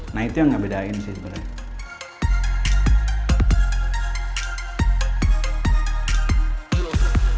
nah itu yang ngebedain sih sebenarnya